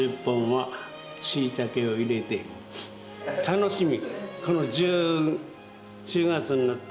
楽しみ。